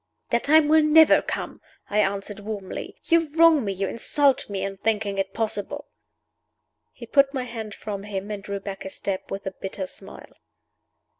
"That time will never come!" I answered, warmly. "You wrong me, you insult me, in thinking it possible!" He put down my hand from him, and drew back a step, with a bitter smile.